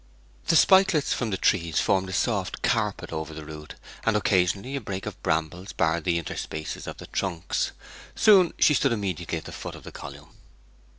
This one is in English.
The spikelets from the trees formed a soft carpet over the route, and occasionally a brake of brambles barred the interspaces of the trunks. Soon she stood immediately at the foot of the column.